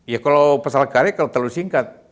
ya kalau pasal karet kalau terlalu singkat